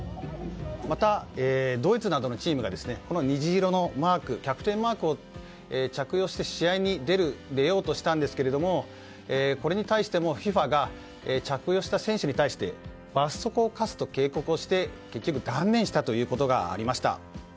またドイツなどのチームがこの虹色のマークキャプテンマークを着用して試合に出ようとしたんですがこれに対してもＦＩＦＡが着用した選手に対して罰則を科すと警告をして結局、断念したということがありました。